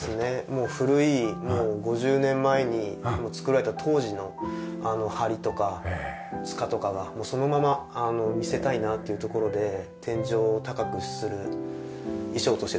もう古い５０年前に造られた当時の梁とか束とかがそのまま見せたいなっていうところで天井を高くする意匠として取り入れてます。